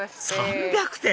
３００点⁉